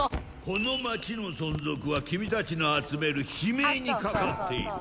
「この町の存続は君たちの集める悲鳴にかかっている」